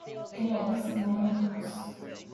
Kellogg's Manor House.